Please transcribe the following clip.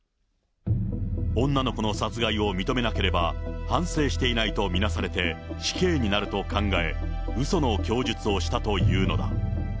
女の子の殺害を認めなければ、反省していないとみなされて、死刑になると考え、うその供述をしたというのだ。